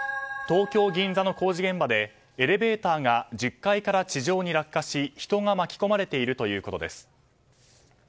東京・銀座の工事現場でエレベーターが１０階から地上に落下し人が巻き込まれているということです。